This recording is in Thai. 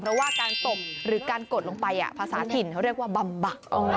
เพราะว่าการตบหรือการกดลงไปภาษาถิ่นเขาเรียกว่าบำบัก